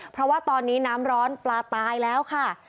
เพราะว่าตอนนี้น้ำร้อนปลาตายแล้วค่ะ